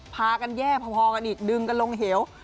พากันแย่พอกันอีกดึงกันลงเหว